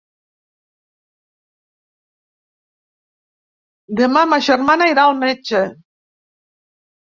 Demà ma germana irà al metge.